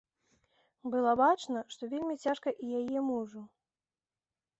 Было бачна, што вельмі цяжка і яе мужу.